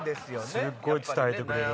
すっごい伝えてくれる。